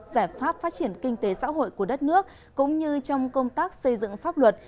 giải pháp phát triển kinh tế xã hội của đất nước cũng như trong công tác xây dựng pháp luật